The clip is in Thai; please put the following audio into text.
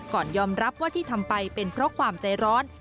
ก่อนยอมรับว่าที่ทำไปเป็นเพราะความใจร้อน